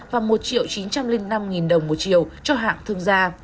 và một chín trăm linh năm đồng một triệu cho hạng thương gia